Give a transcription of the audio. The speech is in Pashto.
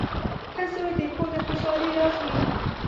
• ښه زوی د کور د خوشحالۍ راز وي.